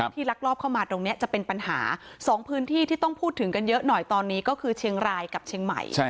ลักลอบเข้ามาตรงนี้จะเป็นปัญหา๒พื้นที่ที่ต้องพูดถึงกันเยอะหน่อยตอนนี้ก็คือเชียงรายกับเชียงใหม่